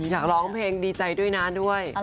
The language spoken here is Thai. อยากร้องเพลงดีใจด้วยนะด้วย